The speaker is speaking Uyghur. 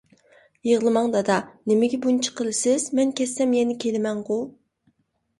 -يىغلىماڭ دادا، نېمىگە بۇنچە قىلىسىز؟ مەن كەتسەم، يەنە كېلىمەنغۇ.